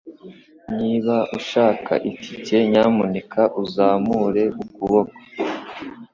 Niba ushaka itike, nyamuneka uzamure ukuboko.